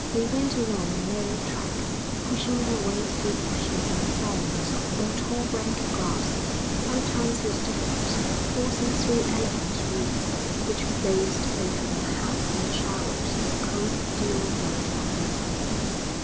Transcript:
They went along a narrow track, pushing their way through bushes and thorns, or tall rank grass, sometimes with difficulty forcing through elephant reeds which closed over their heads and showered the cold dew down on their faces.